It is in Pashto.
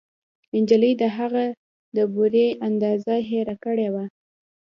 نجلۍ د هغه د بورې اندازه هېره کړې وه